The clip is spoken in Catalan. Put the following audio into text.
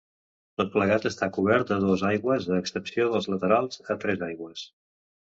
Tot plegat està cobert a dues aigües a excepció dels laterals, a tres aigües.